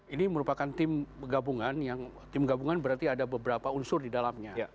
ini merupakan tim gabungan yang tim gabungan berarti ada beberapa unsur di dalamnya